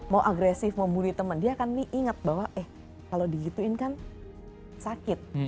mau agresif mau bunuh teman dia akan diingat bahwa eh kalau digituin kan sakit